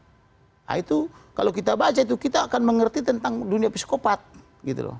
nah itu kalau kita baca itu kita akan mengerti tentang dunia psikopat gitu loh